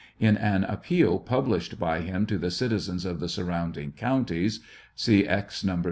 In an appeal published by him to the citizens of the surrounding counties, (see Ex.